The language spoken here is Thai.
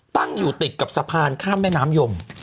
ตั้งอยู่ติดกับสะพานข้ามแม่น้ำยม